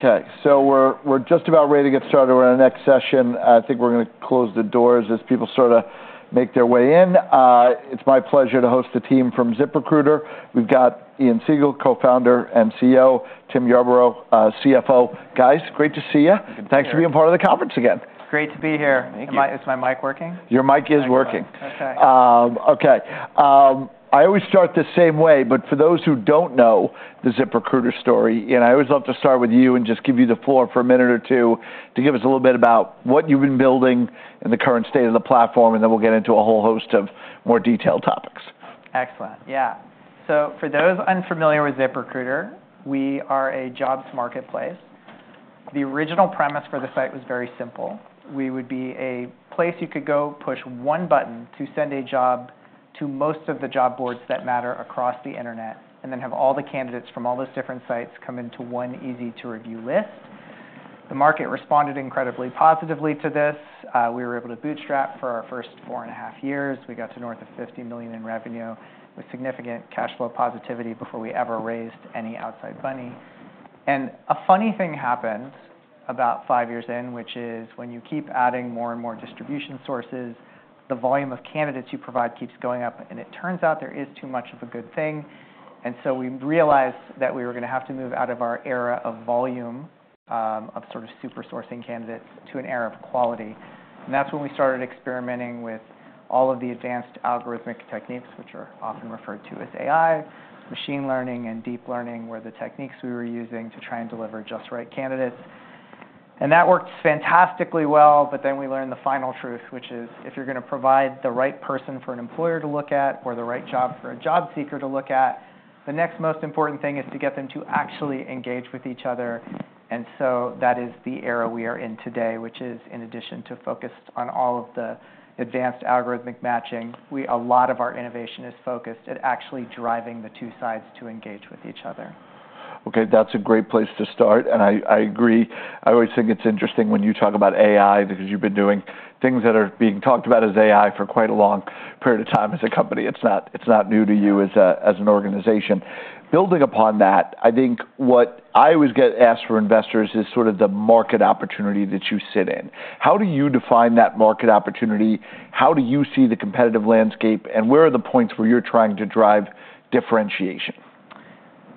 Okay, so we're just about ready to get started with our next session. I think we're gonna close the doors as people sort of make their way in. It's my pleasure to host the team from ZipRecruiter. We've got Ian Siegel, Co-founder and CEO, Tim Yarbrough, CFO. Guys, great to see you. Good to be here. Thanks for being part of the conference again. Great to be here. Thank you. Is my mic working? Your mic is working. Okay. Okay. I always start the same way, but for those who don't know the ZipRecruiter story, Ian, I always love to start with you and just give you the floor for a minute or two to give us a little bit about what you've been building and the current state of the platform, and then we'll get into a whole host of more detailed topics. Excellent. Yeah. So for those unfamiliar with ZipRecruiter, we are a jobs marketplace. The original premise for the site was very simple: we would be a place you could go push one button to send a job to most of the job boards that matter across the internet, and then have all the candidates from all those different sites come into one easy-to-review list. The market responded incredibly positively to this. We were able to bootstrap for our first four and a half years. We got to north of 50 million in revenue, with significant cash flow positivity before we ever raised any outside money. And a funny thing happened about five years in, which is when you keep adding more and more distribution sources, the volume of candidates you provide keeps going up, and it turns out there is too much of a good thing. And so we realized that we were gonna have to move out of our era of volume, of sort of super sourcing candidates, to an era of quality. And that's when we started experimenting with all of the advanced algorithmic techniques, which are often referred to as AI. Machine learning and deep learning were the techniques we were using to try and deliver just the right candidates, and that worked fantastically well. But then we learned the final truth, which is, if you're gonna provide the right person for an employer to look at, or the right job for a job seeker to look at, the next most important thing is to get them to actually engage with each other. And so that is the era we are in today, which is in addition to focused on all of the advanced algorithmic matching, we, a lot of our innovation is focused at actually driving the two sides to engage with each other. Okay, that's a great place to start, and I, I agree. I always think it's interesting when you talk about AI, because you've been doing things that are being talked about as AI for quite a long period of time as a company. It's not, it's not new to you as a- as an organization. Building upon that, I think what I always get asked for investors is sort of the market opportunity that you sit in. How do you define that market opportunity? How do you see the competitive landscape, and where are the points where you're trying to drive differentiation?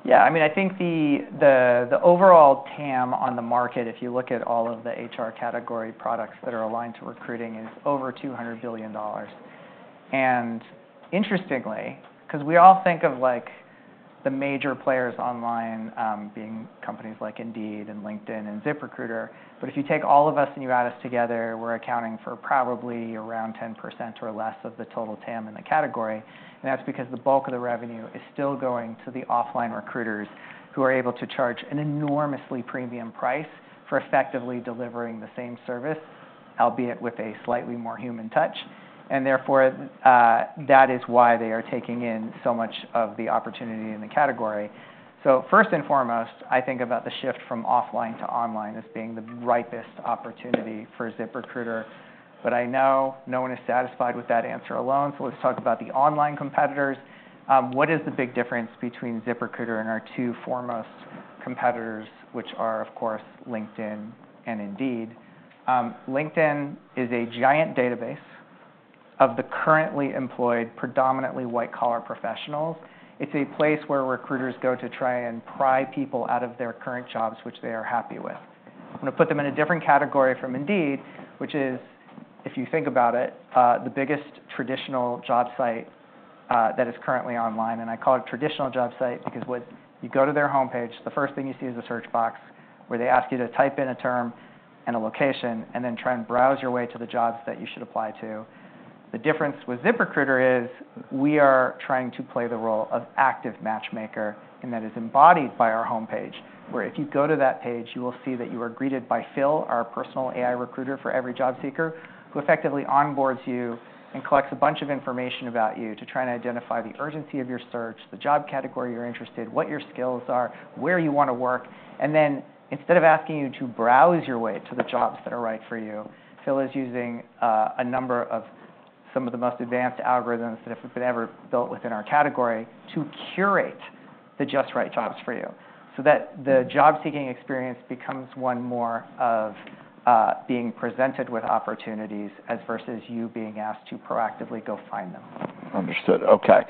Yeah, I mean, I think the overall TAM on the market, if you look at all of the HR category products that are aligned to recruiting, is over $200 billion. And interestingly, 'cause we all think of, like, the major players online, being companies like Indeed and LinkedIn and ZipRecruiter, but if you take all of us and you add us together, we're accounting for probably around 10% or less of the total TAM in the category. And that's because the bulk of the revenue is still going to the offline recruiters, who are able to charge an enormously premium price for effectively delivering the same service, albeit with a slightly more human touch. And therefore, that is why they are taking in so much of the opportunity in the category. So first and foremost, I think about the shift from offline to online as being the ripest opportunity for ZipRecruiter. But I know no one is satisfied with that answer alone, so let's talk about the online competitors. What is the big difference between ZipRecruiter and our two foremost competitors, which are, of course, LinkedIn and Indeed? LinkedIn is a giant database of the currently employed, predominantly white-collar professionals. It's a place where recruiters go to try and pry people out of their current jobs, which they are happy with. I'm gonna put them in a different category from Indeed, which is, if you think about it, the biggest traditional job site, that is currently online. I call it traditional job site, because when you go to their homepage, the first thing you see is a search box, where they ask you to type in a term and a location, and then try and browse your way to the jobs that you should apply to. The difference with ZipRecruiter is, we are trying to play the role of active matchmaker, and that is embodied by our homepage, where if you go to that page, you will see that you are greeted by Phil, our personal AI recruiter, for every job seeker, who effectively onboards you and collects a bunch of information about you to try and identify the urgency of your search, the job category you're interested, what your skills are, where you wanna work. And then, instead of asking you to browse your way to the jobs that are right for you, Phil is using a number of some of the most advanced algorithms that have been ever built within our category to curate the just right jobs for you, so that the job-seeking experience becomes one more of being presented with opportunities, as versus you being asked to proactively go find them. Understood. Okay.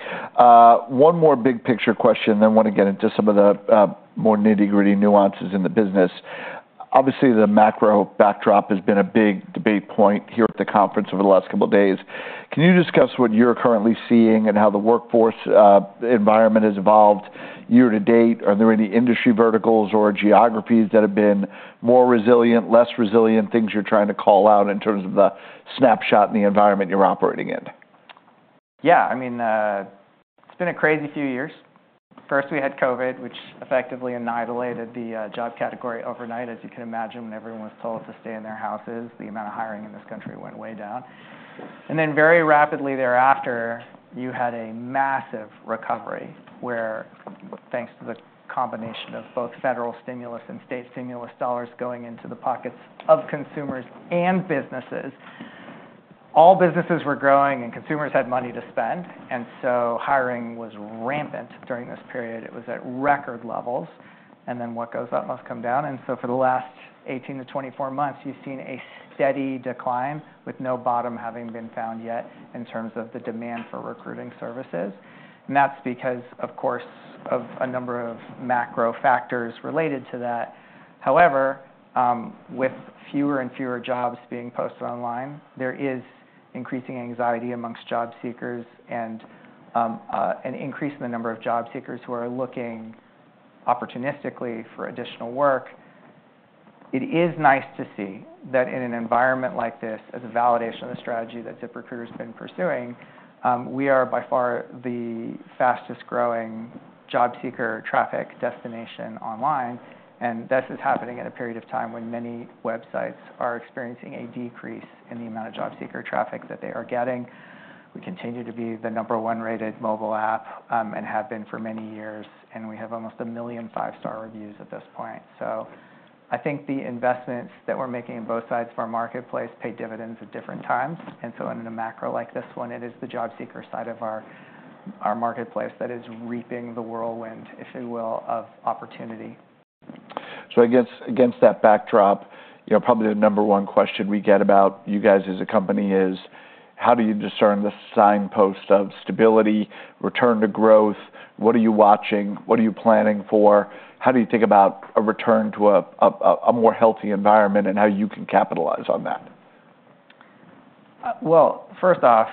One more big picture question, then I wanna get into some of the more nitty-gritty nuances in the business. Obviously, the macro backdrop has been a big debate point here at the conference over the last couple of days. Can you discuss what you're currently seeing and how the workforce environment has evolved year to date? Are there any industry verticals or geographies that have been more resilient, less resilient, things you're trying to call out in terms of the snapshot and the environment you're operating in? Yeah, I mean, it's been a crazy few years. First, we had COVID, which effectively annihilated the job category overnight. As you can imagine, when everyone was told to stay in their houses, the amount of hiring in this country went way down. And then very rapidly thereafter, you had a massive recovery, where thanks to the combination of both federal stimulus and state stimulus dollars going into the pockets of consumers and businesses, all businesses were growing, and consumers had money to spend, and so hiring was rampant during this period. It was at record levels, and then what goes up must come down. And so for the last eighteen to twenty-four months, you've seen a steady decline, with no bottom having been found yet in terms of the demand for recruiting services. And that's because, of course, of a number of macro factors related to that. However, with fewer and fewer jobs being posted online, there is increasing anxiety among job seekers and an increase in the number of job seekers who are looking opportunistically for additional work. It is nice to see that in an environment like this, as a validation of the strategy that ZipRecruiter's been pursuing, we are by far the fastest-growing job seeker traffic destination online, and this is happening at a period of time when many websites are experiencing a decrease in the amount of job seeker traffic that they are getting. We continue to be the number one-rated mobile app, and have been for many years, and we have almost a million five-star reviews at this point. So I think the investments that we're making in both sides of our marketplace pay dividends at different times, and so in a macro like this one, it is the job seeker side of our marketplace that is reaping the whirlwind, if you will, of opportunity. So I guess against that backdrop, you know, probably the number one question we get about you guys as a company is: how do you discern the signpost of stability, return to growth? What are you watching? What are you planning for? How do you think about a return to a more healthy environment and how you can capitalize on that? Well, first off,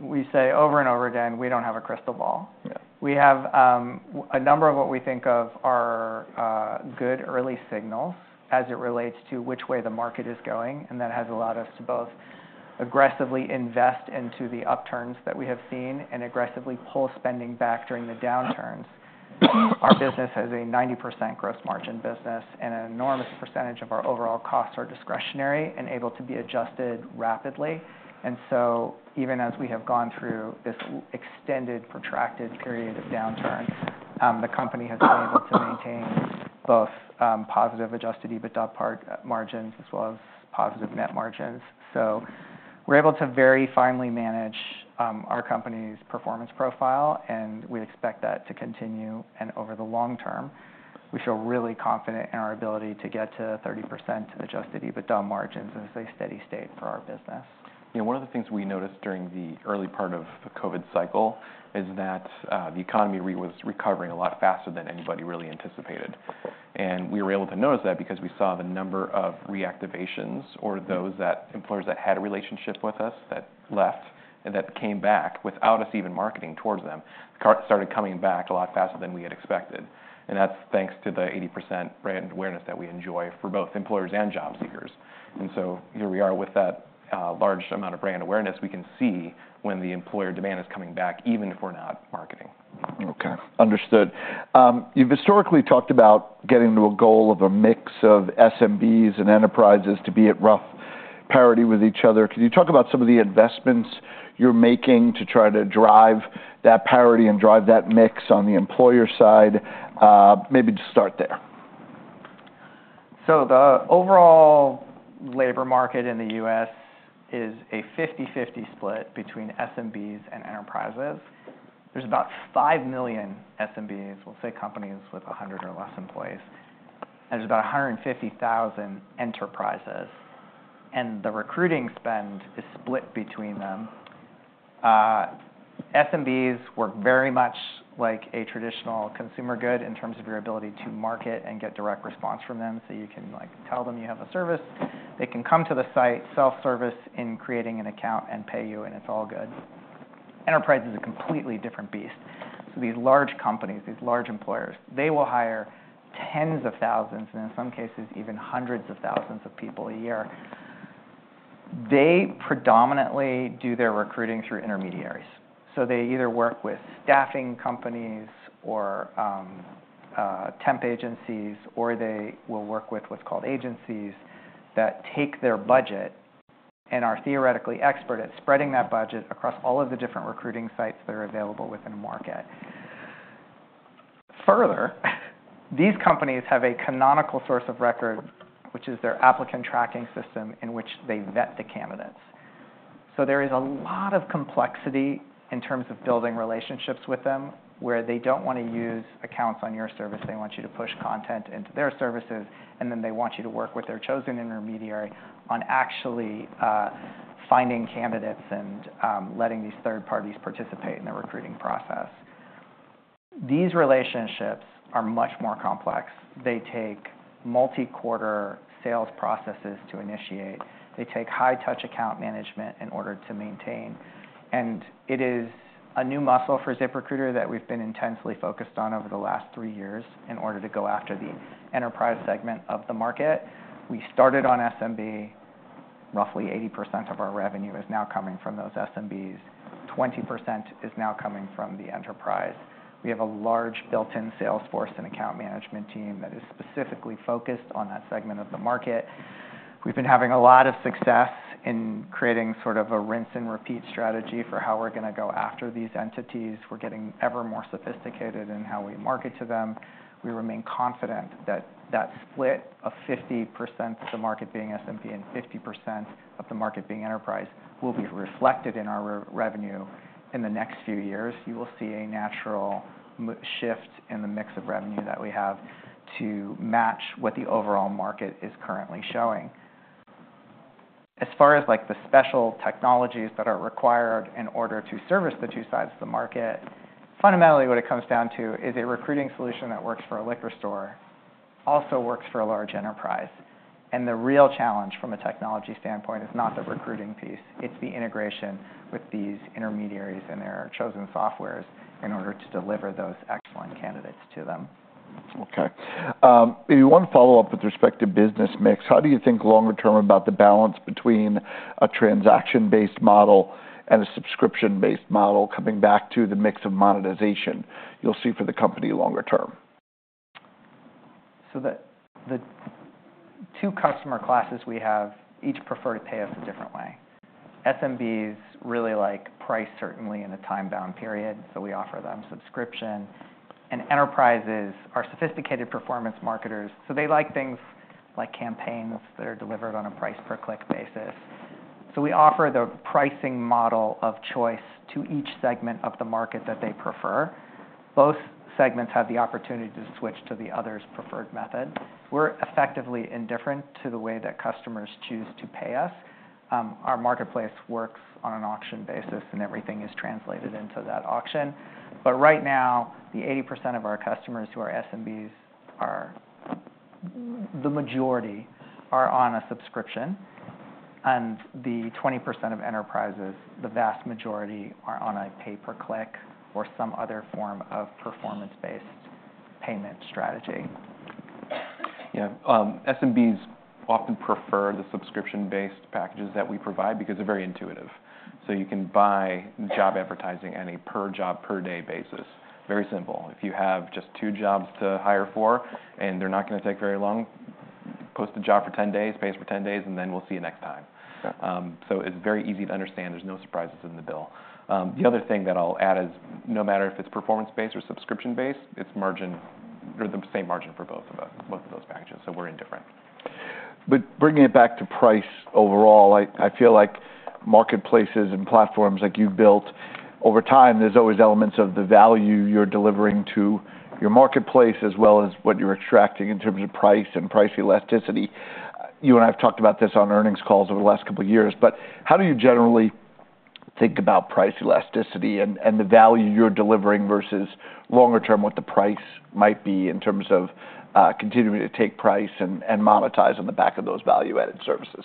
we say over and over again, we don't have a crystal ball. We have a number of what we think of are good early signals as it relates to which way the market is going, and that has allowed us to both aggressively invest into the upturns that we have seen and aggressively pull spending back during the downturns. Our business is a 90% gross margin business, and an enormous percentage of our overall costs are discretionary and able to be adjusted rapidly. Even as we have gone through this extended, protracted period of downturn, the company has been able to maintain both positive adjusted EBITDA margins, as well as positive net margins. We're able to very finely manage our company's performance profile, and we expect that to continue. And over the long term, we feel really confident in our ability to get to 30% adjusted EBITDA margins as a steady state for our business. You know, one of the things we noticed during the early part of the COVID cycle is that the economy was recovering a lot faster than anybody really anticipated. And we were able to notice that because we saw the number of reactivations or those employers that had a relationship with us, that left, and that came back without us even marketing towards them. Cohorts started coming back a lot faster than we had expected, and that's thanks to the 80% brand awareness that we enjoy for both employers and job seekers. And so here we are with that large amount of brand awareness, we can see when the employer demand is coming back, even if we're not marketing. Okay, understood. You've historically talked about getting to a goal of a mix of SMBs and enterprises to be at rough parity with each other. Can you talk about some of the investments you're making to try to drive that parity and drive that mix on the employer side? Maybe just start there. So the overall labor market in the U.S. is a 50-50 split between SMBs and enterprises. There's about 5 million SMBs, we'll say companies with 100 or less employees, and there's about 150,000 enterprises, and the recruiting spend is split between them. SMBs work very much like a traditional consumer good in terms of your ability to market and get direct response from them, so you can, like, tell them you have a service. They can come to the site, self-service in creating an account and pay you, and it's all good. Enterprise is a completely different beast. So these large companies, these large employers, they will hire tens of thousands, and in some cases, even hundreds of thousands of people a year. They predominantly do their recruiting through intermediaries, so they either work with staffing companies or temp agencies, or they will work with what's called agencies, that take their budget and are theoretically expert at spreading that budget across all of the different recruiting sites that are available within a market. Further, these companies have a canonical source of record, which is their applicant tracking system, in which they vet the candidates. So there is a lot of complexity in terms of building relationships with them, where they don't want to use accounts on your service. They want you to push content into their services, and then they want you to work with their chosen intermediary on actually finding candidates and letting these third parties participate in the recruiting process. These relationships are much more complex. They take multi-quarter sales processes to initiate. They take high-touch account management in order to maintain, and it is a new muscle for ZipRecruiter that we've been intensely focused on over the last three years in order to go after the enterprise segment of the market. We started on SMB. Roughly 80% of our revenue is now coming from those SMBs. 20% is now coming from the enterprise. We have a large built-in sales force and account management team that is specifically focused on that segment of the market.... We've been having a lot of success in creating sort of a rinse and repeat strategy for how we're gonna go after these entities. We're getting ever more sophisticated in how we market to them. We remain confident that that split of 50% of the market being SMB, and 50% of the market being enterprise, will be reflected in our revenue in the next few years. You will see a natural shift in the mix of revenue that we have to match what the overall market is currently showing. As far as, like, the special technologies that are required in order to service the two sides of the market, fundamentally, what it comes down to is a recruiting solution that works for a liquor store, also works for a large enterprise, and the real challenge from a technology standpoint is not the recruiting piece, it's the integration with these intermediaries and their chosen software in order to deliver those excellent candidates to them. Okay. Maybe one follow-up with respect to business mix. How do you think longer term about the balance between a transaction-based model and a subscription-based model, coming back to the mix of monetization you'll see for the company longer term? The two customer classes we have each prefer to pay us a different way. SMBs really like price, certainly in a time-bound period, so we offer them subscription. Enterprises are sophisticated performance marketers, so they like things like campaigns that are delivered on a price per click basis. We offer the pricing model of choice to each segment of the market that they prefer. Both segments have the opportunity to switch to the other's preferred method. We're effectively indifferent to the way that customers choose to pay us. Our marketplace works on an auction basis, and everything is translated into that auction. Right now, the 80% of our customers who are SMBs are. The majority are on a subscription, and the 20% of enterprises, the vast majority are on a pay per click or some other form of performance-based payment strategy. Yeah, SMBs often prefer the subscription-based packages that we provide because they're very intuitive. So you can buy job advertising on a per job, per day basis. Very simple. If you have just two jobs to hire for, and they're not gonna take very long, post the job for 10 days, pay us for 10 days, and then we'll see you next time. Sure. So it's very easy to understand. There's no surprises in the bill. The other thing that I'll add is, no matter if it's performance-based or subscription-based, it's margin. They're the same margin for both of us, both of those packages, so we're indifferent. But bringing it back to price overall, I feel like marketplaces and platforms like you've built, over time, there's always elements of the value you're delivering to your marketplace, as well as what you're attracting in terms of price and price elasticity. You and I have talked about this on earnings calls over the last couple of years, but how do you generally think about price elasticity and the value you're delivering, versus longer term, what the price might be in terms of continuing to take price and monetize on the back of those value-added services?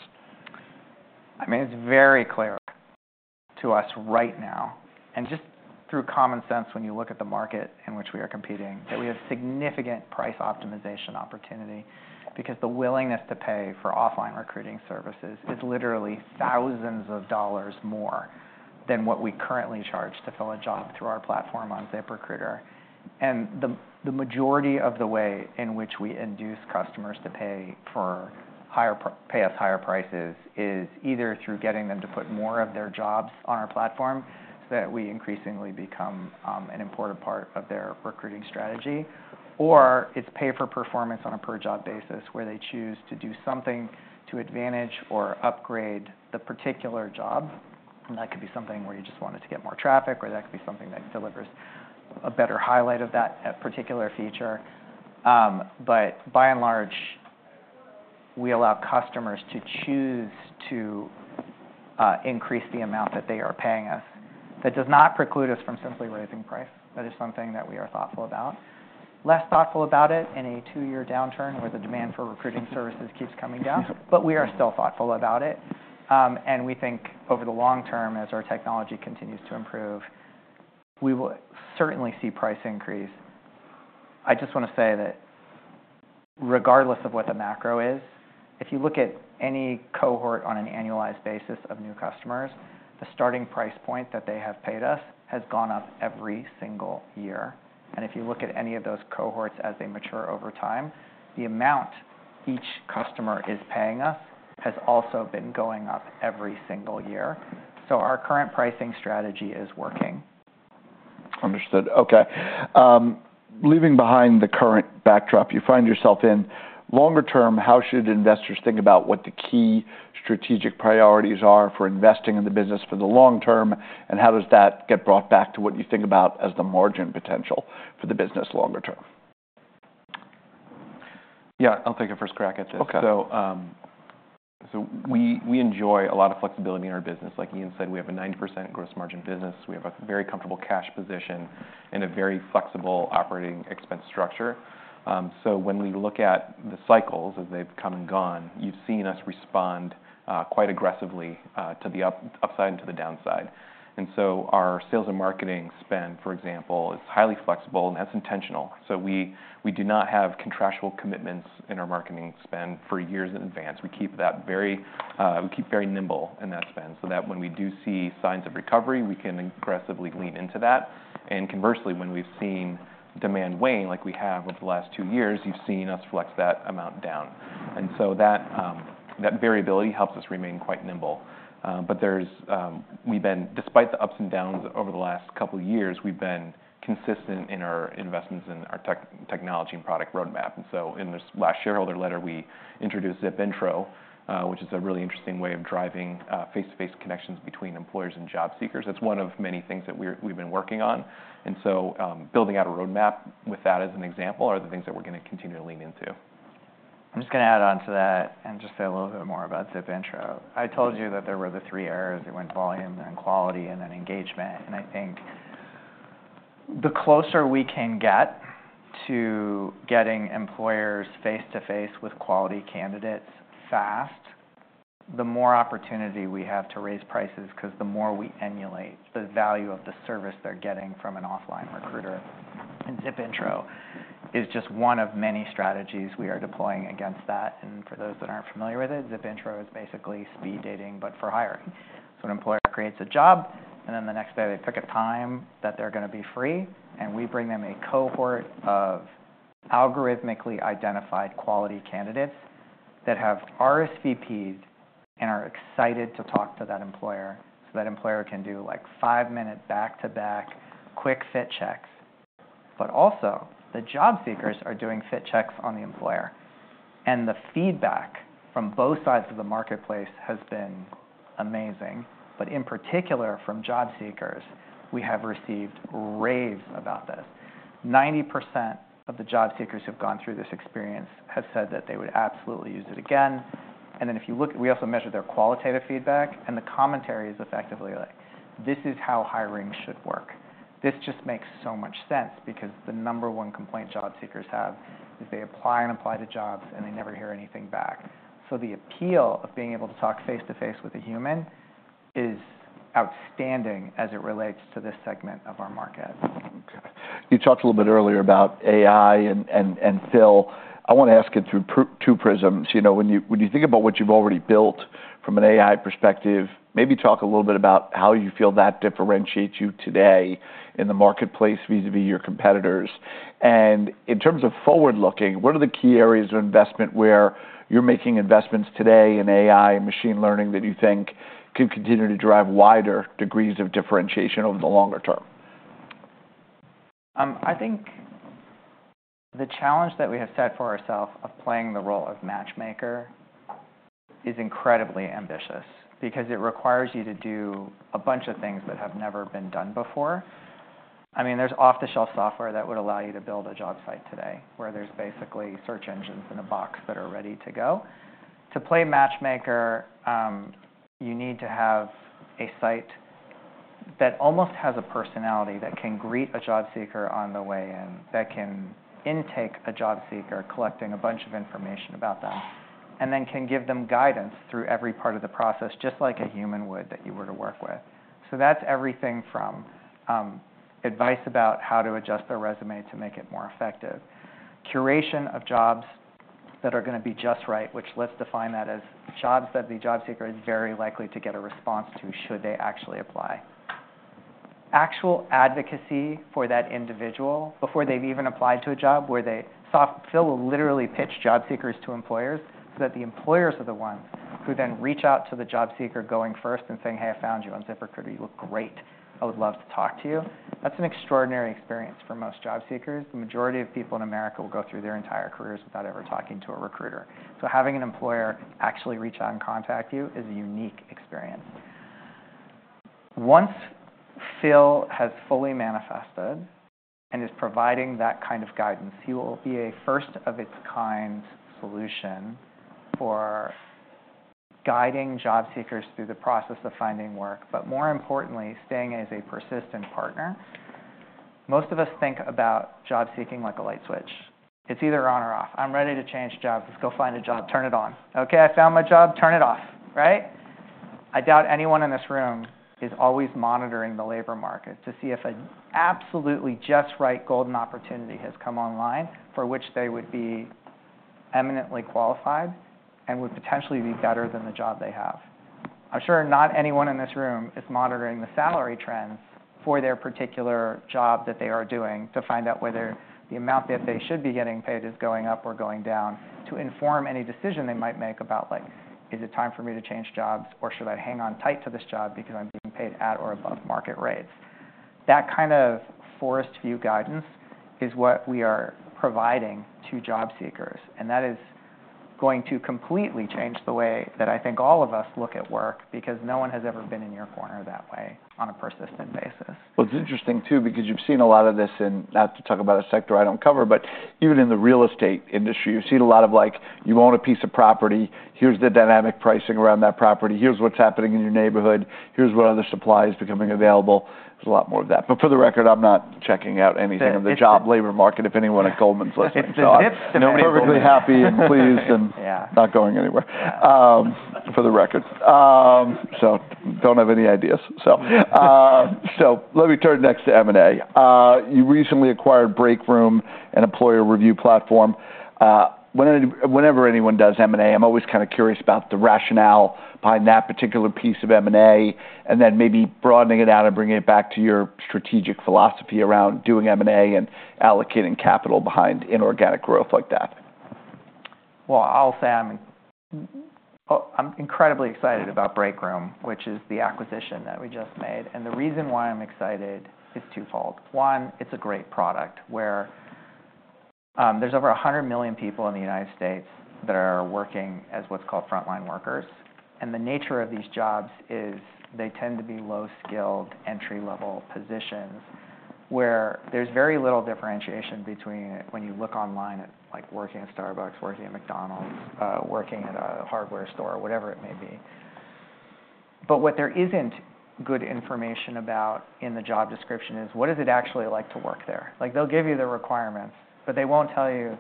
I mean, it's very clear to us right now, and just through common sense, when you look at the market in which we are competing, that we have significant price optimization opportunity. Because the willingness to pay for offline recruiting services is literally thousands of dollars more than what we currently charge to fill a job through our platform on ZipRecruiter, and the majority of the way in which we induce customers to pay for higher pay us higher prices is either through getting them to put more of their jobs on our platform, so that we increasingly become an important part of their recruiting strategy, or it's pay for performance on a per job basis, where they choose to do something to advantage or upgrade the particular job. And that could be something where you just want it to get more traffic, or that could be something that delivers a better highlight of that, that particular feature. But by and large, we allow customers to choose to increase the amount that they are paying us. That does not preclude us from simply raising price. That is something that we are thoughtful about. Less thoughtful about it in a two-year downturn, where the demand for recruiting services keeps coming down, but we are still thoughtful about it. And we think over the long term, as our technology continues to improve, we will certainly see price increase. I just wanna say that regardless of what the macro is, if you look at any cohort on an annualized basis of new customers, the starting price point that they have paid us has gone up every single year. And if you look at any of those cohorts as they mature over time, the amount each customer is paying us has also been going up every single year. So our current pricing strategy is working. Understood. Okay. Leaving behind the current backdrop you find yourself in, longer term, how should investors think about what the key strategic priorities are for investing in the business for the long term? And how does that get brought back to what you think about as the margin potential for the business longer term? Yeah, I'll take a first crack at this. Okay. So we enjoy a lot of flexibility in our business. Like Ian said, we have a 90% gross margin business. We have a very comfortable cash position and a very flexible operating expense structure. So when we look at the cycles as they've come and gone, you've seen us respond quite aggressively to the upside and to the downside. And so our sales and marketing spend, for example, is highly flexible, and that's intentional. So we do not have contractual commitments in our marketing spend for years in advance. We keep that very nimble in that spend, so that when we do see signs of recovery, we can aggressively lean into that. And conversely, when we've seen demand wane, like we have over the last two years, you've seen us flex that amount down. And so that variability helps us remain quite nimble. But we've been despite the ups and downs over the last couple of years, we've been consistent in our investments in our technology and product roadmap. And so in this last shareholder letter, we introduced ZipIntro, which is a really interesting way of driving face-to-face connections between employers and job seekers. That's one of many things that we've been working on, and so building out a roadmap with that as an example, are the things that we're gonna continue to lean into. I'm just gonna add on to that, and just say a little bit more about ZipIntro. I told you that there were the three eras. It went volume, then quality, and then engagement, and I think the closer we can get to getting employers face-to-face with quality candidates fast, the more opportunity we have to raise prices, 'cause the more we emulate the value of the service they're getting from an offline recruiter, and ZipIntro is just one of many strategies we are deploying against that, and for those that aren't familiar with it, ZipIntro is basically speed dating, but for hiring, so an employer creates a job, and then the next day, they pick a time that they're gonna be free, and we bring them a cohort of algorithmically identified quality candidates that have RSVP'd and are excited to talk to that employer. So that employer can do, like, five-minute back-to-back quick fit checks. But also, the job seekers are doing fit checks on the employer, and the feedback from both sides of the marketplace has been amazing. But in particular, from job seekers, we have received raves about this. 90% of the job seekers who've gone through this experience have said that they would absolutely use it again. And then if you look, we also measure their qualitative feedback, and the commentary is effectively like, "This is how hiring should work. This just makes so much sense," because the number one complaint job seekers have is they apply and apply to jobs, and they never hear anything back. So the appeal of being able to talk face-to-face with a human is outstanding as it relates to this segment of our market. Okay. You talked a little bit earlier about AI and Phil. I want to ask you through two prisms. You know, when you think about what you've already built from an AI perspective, maybe talk a little bit about how you feel that differentiates you today in the marketplace vis-a-vis your competitors, and in terms of forward-looking, what are the key areas of investment where you're making investments today in AI and machine learning, that you think could continue to drive wider degrees of differentiation over the longer term? I think the challenge that we have set for ourselves of playing the role of matchmaker is incredibly ambitious, because it requires you to do a bunch of things that have never been done before. I mean, there's off-the-shelf software that would allow you to build a job site today, where there's basically search engines in a box that are ready to go. To play matchmaker, you need to have a site that almost has a personality, that can greet a job seeker on the way in, that can intake a job seeker, collecting a bunch of information about them, and then can give them guidance through every part of the process, just like a human would that you were to work with. So that's everything from advice about how to adjust their resume to make it more effective, curation of jobs that are gonna be just right, which let's define that as jobs that the job seeker is very likely to get a response to, should they actually apply. Actual advocacy for that individual before they've even applied to a job, Phil will literally pitch job seekers to employers, so that the employers are the ones who then reach out to the job seeker going first and saying, "Hey, I found you on ZipRecruiter. You look great. I would love to talk to you." That's an extraordinary experience for most job seekers. The majority of people in America will go through their entire careers without ever talking to a recruiter. So having an employer actually reach out and contact you is a unique experience. Once Phil has fully manifested and is providing that kind of guidance, he will be a first-of-its-kind solution for guiding job seekers through the process of finding work, but more importantly, staying as a persistent partner. Most of us think about job seeking like a light switch. It's either on or off. I'm ready to change jobs. Let's go find a job. Turn it on. Okay, I found my job, turn it off, right? I doubt anyone in this room is always monitoring the labor market to see if an absolutely just right golden opportunity has come online, for which they would be eminently qualified and would potentially be better than the job they have. I'm sure not anyone in this room is monitoring the salary trends for their particular job that they are doing, to find out whether the amount that they should be getting paid is going up or going down, to inform any decision they might make about, like, is it time for me to change jobs, or should I hang on tight to this job because I'm being paid at or above market rates? That kind of forest view guidance is what we are providing to job seekers, and that is going to completely change the way that I think all of us look at work, because no one has ever been in your corner that way on a persistent basis. It's interesting, too, because you've seen a lot of this. Not to talk about a sector I don't cover, but even in the real estate industry, you've seen a lot of, like, you own a piece of property, here's the dynamic pricing around that property, here's what's happening in your neighborhood, here's what other supply is becoming available. There's a lot more of that. But for the record, I'm not checking out anything in the job labor market, if anyone at Goldman's listening. If the Zip. I'm perfectly happy and pleased and not going anywhere, for the record. Don't have any ideas. Let me turn next to M&A. You recently acquired Breakroom, an employer review platform. Whenever anyone does M&A, I'm always kind of curious about the rationale behind that particular piece of M&A, and then maybe broadening it out and bringing it back to your strategic philosophy around doing M&A and allocating capital behind inorganic growth like that. I'll say I'm, I'm incredibly excited about Breakroom, which is the acquisition that we just made, and the reason why I'm excited is twofold: One, it's a great product, where, there's over a hundred million people in the United States that are working as what's called frontline workers, and the nature of these jobs is they tend to be low-skilled, entry-level positions, where there's very little differentiation between when you look online at, like, working at Starbucks, working at McDonald's, working at a hardware store, or whatever it may be. But what there isn't good information about in the job description is, what is it actually like to work there? Like, they'll give you the requirements, but they won't tell you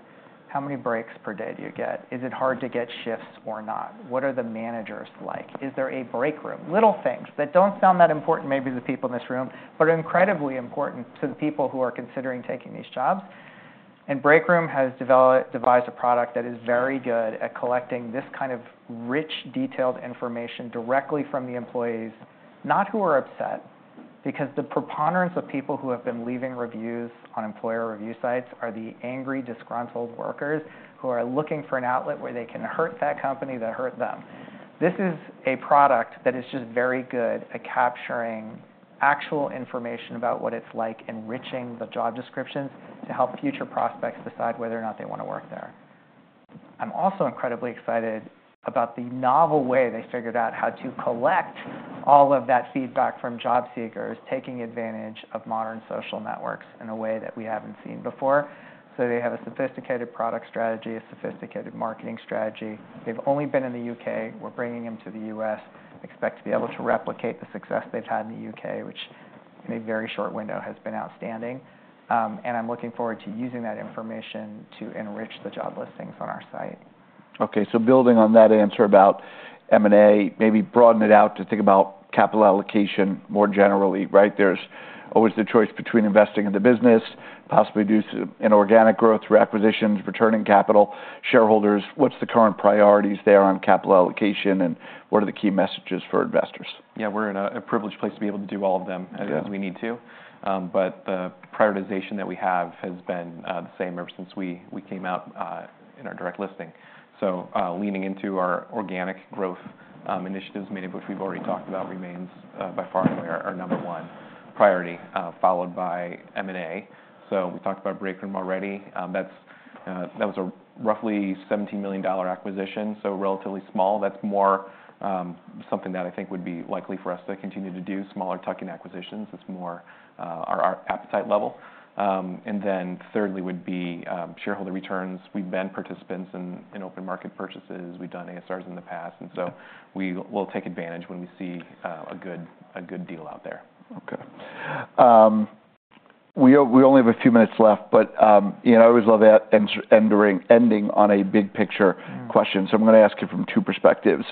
how many breaks per day do you get? Is it hard to get shifts or not? What are the managers like? Is there a break room? Little things that don't sound that important, maybe to the people in this room, but are incredibly important to the people who are considering taking these jobs. And Breakroom has devised a product that is very good at collecting this kind of rich, detailed information directly from the employees, not who are upset. Because the preponderance of people who have been leaving reviews on employer review sites are the angry, disgruntled workers, who are looking for an outlet where they can hurt that company that hurt them. This is a product that is just very good at capturing actual information about what it's like, enriching the job descriptions, to help future prospects decide whether or not they wanna work there. I'm also incredibly excited about the novel way they figured out how to collect all of that feedback from job seekers, taking advantage of modern social networks in a way that we haven't seen before. So they have a sophisticated product strategy, a sophisticated marketing strategy. They've only been in the U.K. We're bringing them to the U.S. Expect to be able to replicate the success they've had in the U.K., which, in a very short window, has been outstanding, and I'm looking forward to using that information to enrich the job listings on our site. Okay, so building on that answer about M&A, maybe broaden it out to think about capital allocation more generally, right? There's always the choice between investing in the business, possibly due to inorganic growth through acquisitions, returning capital, shareholders. What's the current priorities there on capital allocation, and what are the key messages for investors? Yeah, we're in a privileged place to be able to do all of them as we need to, but the prioritization that we have has been the same ever since we came out in our direct listing, so leaning into our organic growth initiatives, many of which we've already talked about, remains by far our number one priority, followed by M&A, so we talked about Breakroom already. That was a roughly $17 million acquisition, so relatively small. That's more something that I think would be likely for us to continue to do, smaller tuck-in acquisitions. That's more our appetite level, and then thirdly would be shareholder returns. We've been participants in open market purchases. We've done ASRs in the past, and so we will take advantage when we see a good deal out there. Okay. We only have a few minutes left, but, you know, I always love ending on a big picture question, so I'm gonna ask you from two perspectives.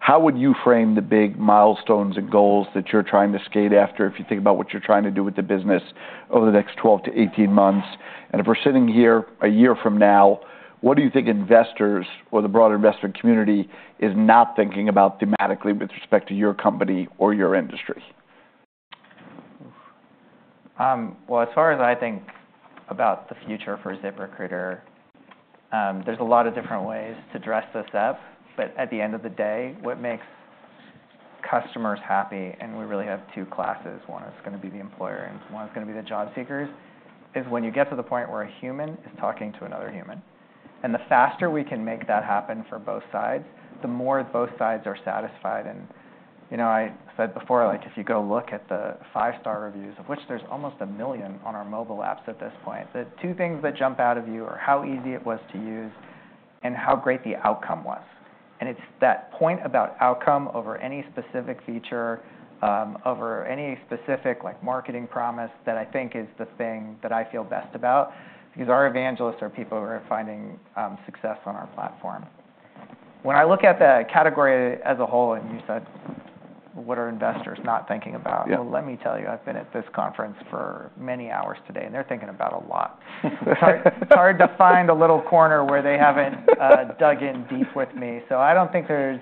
How would you frame the big milestones and goals that you're trying to skate after, if you think about what you're trying to do with the business over the next twelve to eighteen months? And if we're sitting here a year from now, what do you think investors or the broader investor community is not thinking about thematically with respect to your company or your industry? As far as I think about the future for ZipRecruiter, there's a lot of different ways to dress this up. But at the end of the day, what makes customers happy, and we really have two classes, one is gonna be the employer and one is gonna be the job seekers, is when you get to the point where a human is talking to another human, and the faster we can make that happen for both sides, the more both sides are satisfied. And, you know, I said before, like, if you go look at the five-star reviews, of which there's almost a million on our mobile apps at this point, the two things that jump out of you are how easy it was to use and how great the outcome was. It's that point about outcome over any specific feature, over any specific, like, marketing promise, that I think is the thing that I feel best about, because our evangelists are people who are finding success on our platform. When I look at the category as a whole, and you said, "What are investors not thinking about? Well, let me tell you, I've been at this conference for many hours today, and they're thinking about a lot. It's hard to find a little corner where they haven't dug in deep with me. So I don't think there's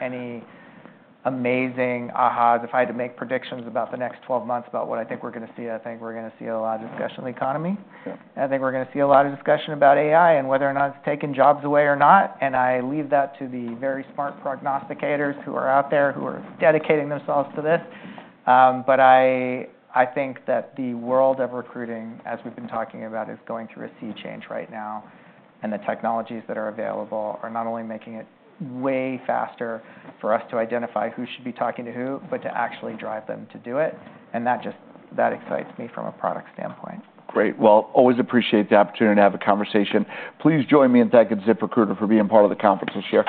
any amazing ahas. If I had to make predictions about the next twelve months, about what I think we're gonna see, I think we're gonna see a lot of discussion on the economy. Sure. I think we're gonna see a lot of discussion about AI and whether or not it's taking jobs away or not, and I leave that to the very smart prognosticators who are out there, who are dedicating themselves to this. But I think that the world of recruiting, as we've been talking about, is going through a sea change right now, and the technologies that are available are not only making it way faster for us to identify who should be talking to who, but to actually drive them to do it, and that just excites me from a product standpoint. Great. Well, always appreciate the opportunity to have a conversation. Please join me in thanking ZipRecruiter for being part of the conference this year.